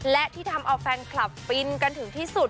และที่ทำเอาแฟนคลับฟินกันถึงที่สุด